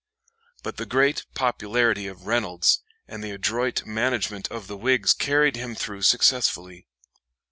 But the great popularity of Reynolds and the adroit management of the Whigs carried him through successfully.